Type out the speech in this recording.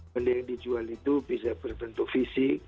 benih yang dijual itu bisa berbentuk fisik